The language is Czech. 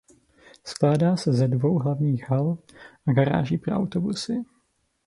Skládá se ze dvou hlavních hal a garáží pro autobusy.